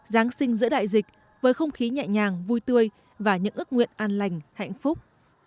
giáng sinh giữa đại dịch với không khí nhẹ nhàng vui tươi và những ước nguyện an lành hạnh phúc